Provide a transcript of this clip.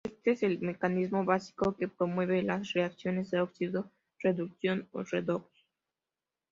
Este es el mecanismo básico que promueve las reacciones de óxido-reducción o redox.